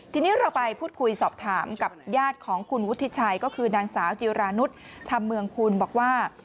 ทีนี้เราไปพูดคุยสอบถามกับญาติของคุณวุฒิชัยก็คือนางสาวจิรานุษย์ธรรมเมืองคุณบอกว่า